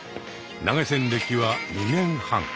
投げ銭歴は２年半。